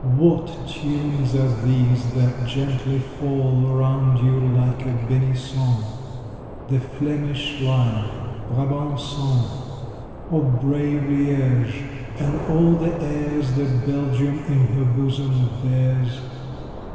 What tunes are these that gently fall Around you like a benison? "The Flemish Lion," "Brabançonne," "O brave Liége," and all the airs That Belgium in her bosom bears.